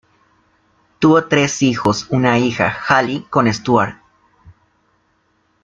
Tuvo tres hijos: una hija, Hallie, con Stewart.